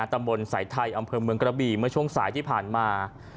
ตำบลสายไทยอำเภอเมืองกระบี่เมื่อช่วงสายที่ผ่านมา